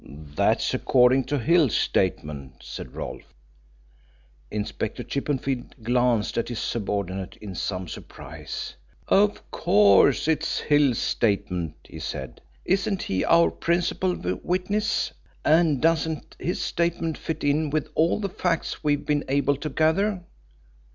"That's according to Hill's statement," said Rolfe. Inspector Chippenfield glanced at his subordinate in some surprise. "Of course it's Hill's statement," he said. "Isn't he our principal witness, and doesn't his statement fit in with all the facts we have been able to gather?